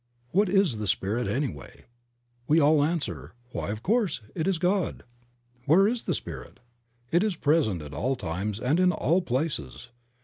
What is the Spirit, anyway? We all answer, ''Why of course, it is God." Where is the Spirit? It is present at all times and in all places.